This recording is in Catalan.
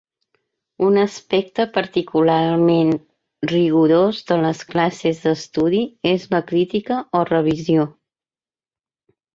Un aspecte particularment rigorós de les classes d'estudi és la "crítica" o "revisió.